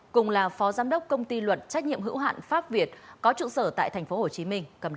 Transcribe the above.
cùng là phó giám đốc công ty luật trách nhiệm hữu hạn pháp việt có trụ sở tại tp hcm cầm đầu